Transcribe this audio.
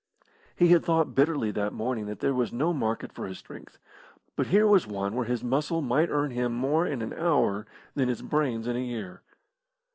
He had thought bitterly that morning that there was no market for his strength, but here was one where his muscle might earn more in an hour than his brains in a year.